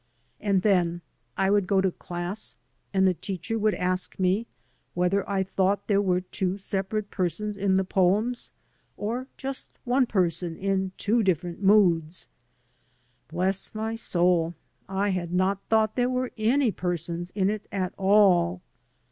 And then I would go to class and the teacher would ask me whether I thought there were two separate persons in the poems, or just one person in two different moods. Bless my soul! I had not thought there were any persons in it at all.